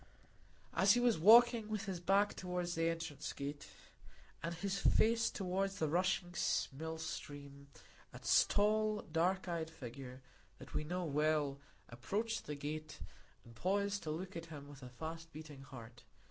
As he was walking with his back toward the entrance gate, and his face toward the rushing mill stream, a tall, dark eyed figure, that we know well, approached the gate, and paused to look at him with a fast beating heart.